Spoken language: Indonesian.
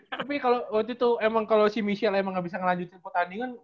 tapi kalau waktu itu emang kalau si michelle emang gak bisa ngelanjutin pertandingan